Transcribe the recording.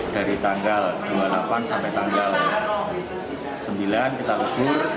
dari tanggal dua puluh delapan sampai tanggal sembilan kita ukur